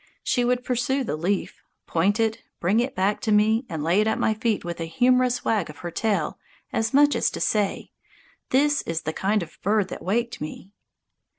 She would pursue the leaf, point it, bring it back to me and lay it at my feet with a humorous wag of her tail as much as to say, "This is the kind of bird that waked me."